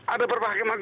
ada perpakaian agung